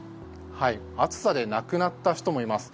暑さで亡くなった人もいます。